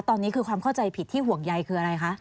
ตอนนี้คือความเข้าใจผิดที่ห่วงใยคืออะไรคะ